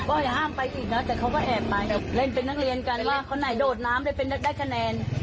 อย่าห้ามไปอีกนะแต่เขาก็แอบมาเล่นเป็นนักเรียนกันว่าคนไหนโดดน้ำได้คะแนน